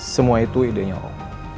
semua itu idenya om